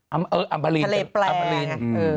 ออร์มารินทะเลแปลง